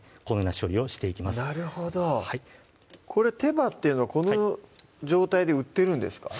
なるほどこれ手羽っていうのはこの状態で売ってるんですか？